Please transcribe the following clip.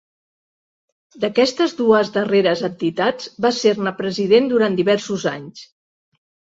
D'aquestes dues darreres entitats va ser-ne president durant diversos anys.